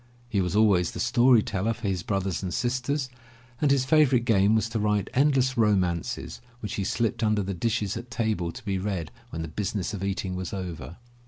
He was always the story teller for his brothers and sisters, and his favorite game was to write endless romances which he slipped under the dishes at table to be read when the business of eating was over.